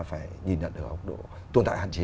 phải nhìn nhận ở góc độ tồn tại hạn chế